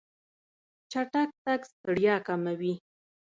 چټک تګ ستړیا کموي.